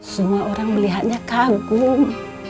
semua orang melihatnya kagum